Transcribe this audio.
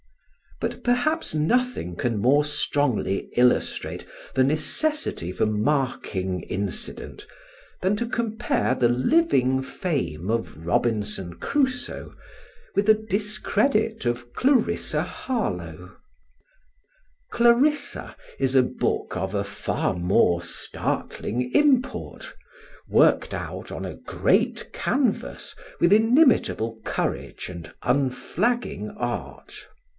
But perhaps nothing can more strongly illustrate the necessity for marking incident than to compare the living fame of Robinson Crusoe with the discredit of Clarissa Harlowe. Clarissa is a book of a far more startling import, worked out, on a great canvas, with inimitable courage and unflagging art.